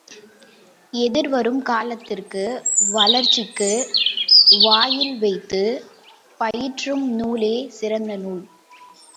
எதிர்வரும் காலத்திற்குவளர்ச்சிக்கு வாயில் வைத்து பயிற்றும் நூலே சிறந்த நூல்!